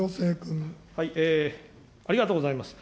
ありがとうございます。